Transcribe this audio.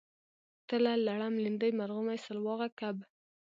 تله لړم لیندۍ مرغومی سلواغه کب